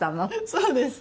そうです。